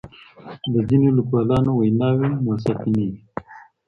د ځینو لیکوالانو ویناوې موثقې نه دي.